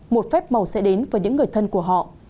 một phép màu sẽ đến với những người thân của họ